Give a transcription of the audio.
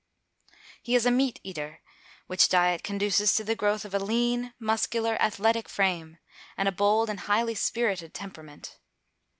He is a meat eater, which diet conduces to the growth of a lean, muscular, athletic frame, and a bold and highly spirited temperament.